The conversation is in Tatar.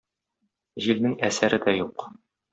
Җилнең әсәре дә юк.